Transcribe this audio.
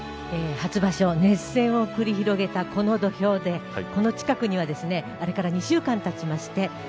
初場所熱戦を繰り広げたこの土俵でこの近くにはあれから２週間たちまして